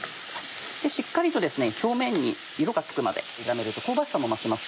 しっかりと表面に色がつくまで炒めると香ばしさも増します。